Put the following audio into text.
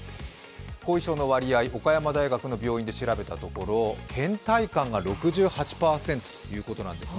後遺症の割合、岡山大学病院で調べたところけん怠感が６８％ということなんですね。